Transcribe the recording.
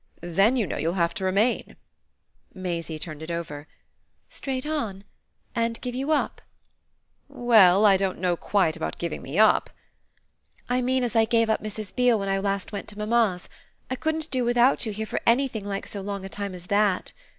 Then, you know, you'll have to remain." Maisie turned it over. "Straight on and give you up?" "Well I don't quite know about giving me up." "I mean as I gave up Mrs. Beale when I last went to mamma's. I couldn't do without you here for anything like so long a time as that."